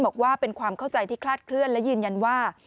บอกว่าเป็นความเข้าใจที่คลาดเคลื่อนและยืนยันว่า